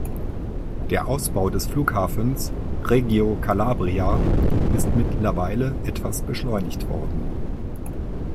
Der Ausbau des Flughafens Reggio Calabria ist mittlerweile etwas beschleunigt worden.